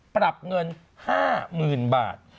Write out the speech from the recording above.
ปรับเงิน๕หมื่นบาท